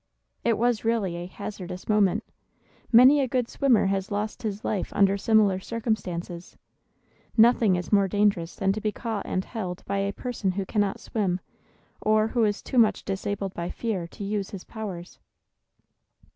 It was really a hazardous moment. Many a good swimmer has lost his life under similar circumstances. Nothing is more dangerous than to be caught and held by a person who cannot swim, or who is too much disabled by fear to use his powers.